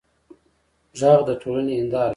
غږ د ټولنې هنداره ده